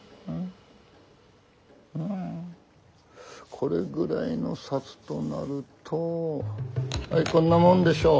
これぐらいの札となるとはいこんなもんでしょう。